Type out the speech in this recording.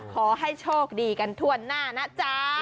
ขอให้โชคดีกันทั่วหน้านะจ๊ะ